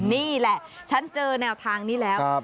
นี่แหละฉันเจอแนวทางนี้แล้ว